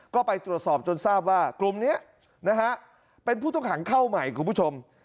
ก็ไปตรวจสอบจนทราบว่ากลุ่มนี้นะฮะเป็นผู้ต้องขังเข้าใหม่คุณผู้ชม